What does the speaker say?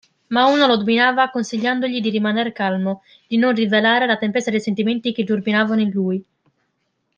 Ma uno lo dominava consigliandogli di rimaner calmo, di non rivelare la tempesta dei sentimenti che turbinavano in lui.